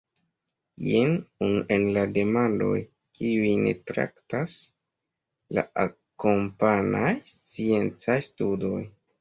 Jen unu el la demandoj, kiujn traktas la akompanaj sciencaj studoj.